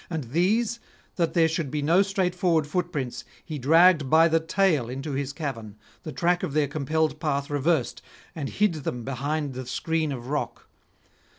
And these, that there should be no straightforward footprints, he dragged by the tail into his cavern, the track of their compelled path reversed, and hid them behind the screen of rock.